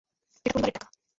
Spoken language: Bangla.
এটা পরিবারের টাকা!